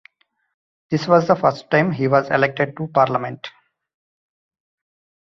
This was the first time he was elected to parliament.